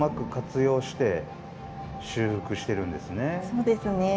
そうですね。